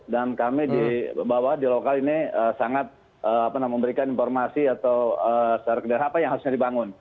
dan kami di bawah di lokal ini sangat memberikan informasi atau secara kendaraan apa yang harusnya dibangun